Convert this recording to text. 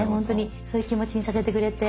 そういう気持ちにさせてくれて。